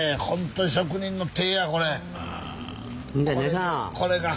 ほんとに職人の手やこれ。